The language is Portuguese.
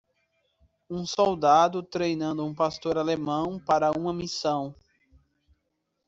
Um soldado treinando um pastor alemão para uma missão.